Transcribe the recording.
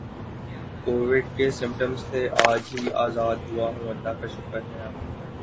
Covid کے symptoms تھے اج ہی ازاد ہوا ہوں اللہ کا شکر ہے اب